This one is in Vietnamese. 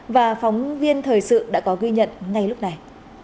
và phóng viên thời sự đã có ghi nhận ngay lúc này